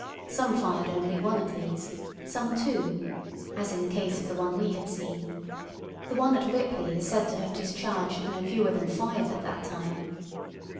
Some fired only one of these, some two—as in the case of the one we had seen; the one at Ripley is said to have discharged no fewer than five at that time.